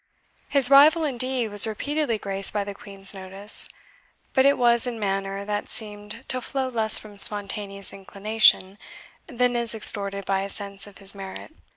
His rival, indeed, was repeatedly graced by the Queen's notice; but it was in manner that seemed to flow less from spontaneous inclination than as extorted by a sense of his merit.